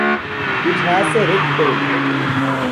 It has a red tail.